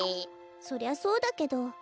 そりゃそうだけど。